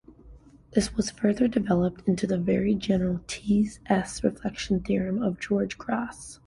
This was further developed into the very general "T"-"S" reflection theorem" of Georges Gras.